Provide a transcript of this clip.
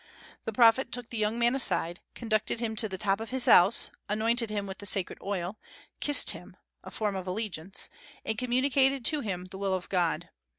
The prophet took the young man aside, conducted him to the top of his house, anointed him with the sacred oil, kissed him (a form of allegiance), and communicated to him the will of God.